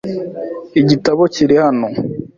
Igitabo kiri hano.